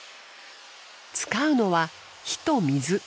使うのは火と水。